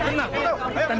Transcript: tenang dulu tenang